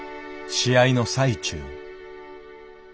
試合の最中。